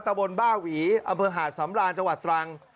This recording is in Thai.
ตะบนบ้าหวีอำเภอหาดสำราญจังหวัดตรัง